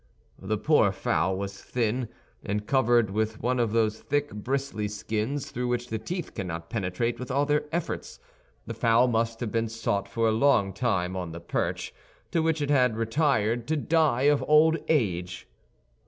The poor fowl was thin, and covered with one of those thick, bristly skins through which the teeth cannot penetrate with all their efforts. The fowl must have been sought for a long time on the perch, to which it had retired to die of old age.